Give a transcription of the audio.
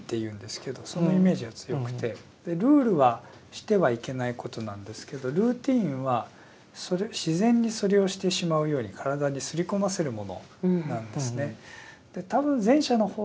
ルールはしてはいけないことなんですけどルーティンは自然にそれをしてしまうように体にすり込ませるものなんですね。